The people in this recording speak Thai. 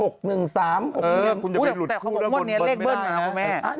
๖๑๓๖๑๔๖๑๕คุณจะไปหลุดคู่ด้วยบนเบิ้ลไม่ได้นะคุณแม่